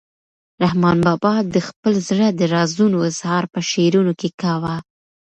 رحمان بابا د خپل زړه د رازونو اظهار په شعرونو کې کاوه.